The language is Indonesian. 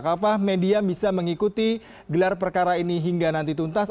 apa media bisa mengikuti gelar perkara ini hingga nanti tuntas